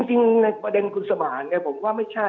จริงในประเด็นคุณสมารผมก็ว่าไม่ใช่